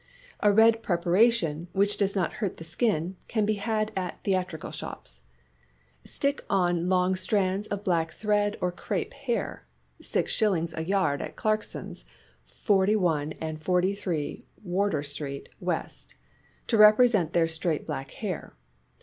A red preparation, which does not hurt the skin, can be had at theatrical shops. Stick on long strands of black thread or crape hair (6d. a yard at Clarkson's, 41 & 43 Wardour Street, W.) to represent their straight black hair.